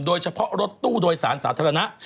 โดยเฉพาะรถตู้โดยสารสาธารณะ